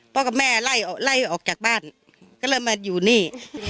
พ่อกับแม่ไล่ออกจากบ้านก็เริ่มมาอยู่นี่